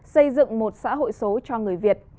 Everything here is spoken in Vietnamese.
xây dựng một xã hội số cho người việt